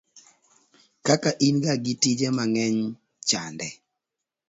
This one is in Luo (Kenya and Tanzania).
kaka in ga gi tije mang'eny chande